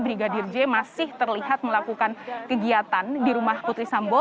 brigadir j masih terlihat melakukan kegiatan di rumah putri sambo